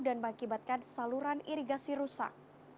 mengakibatkan saluran irigasi rusak